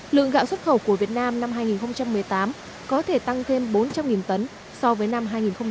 lượng gạo xuất khẩu của việt nam năm hai nghìn một mươi tám có thể tăng thêm bốn trăm linh tấn so với năm hai nghìn một mươi bảy